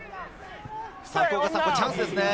チャンスですね。